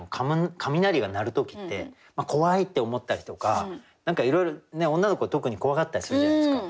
雷が鳴る時って怖いって思ったりとか何かいろいろ女の子は特に怖がったりするじゃないですか。